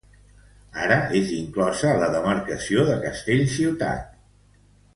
Ara és inclosa a la demarcació de Castellciutat.